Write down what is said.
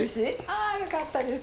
あよかったです。